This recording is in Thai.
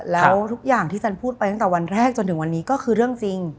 แล้วทุกอย่างที่ฉันพูดไปตั้งแต่วันแรกจนถึงวันนี้ก็คือเรื่องจริง